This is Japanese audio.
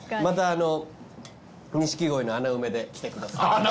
またあのう錦鯉の穴埋めで来てください。